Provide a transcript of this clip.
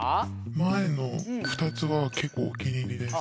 前の２つは結構お気に入りです。